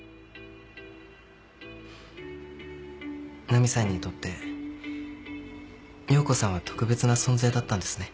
ナミさんにとって葉子さんは特別な存在だったんですね。